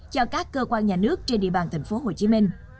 cho các cơ quan nhà nước trên địa bàn tp hcm